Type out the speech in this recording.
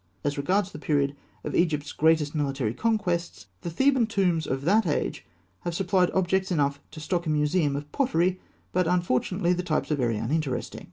As regards the period of Egypt's great military conquests, the Theban tombs of that age have supplied objects enough to stock a museum of pottery; but unfortunately the types are very uninteresting.